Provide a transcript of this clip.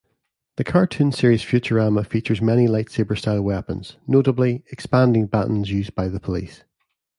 The cartoon series "Futurama" features many lightsaber-style weapons, notably expanding batons used by police.